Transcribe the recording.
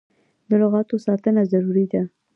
د لغتانو ساتنه ضروري ده.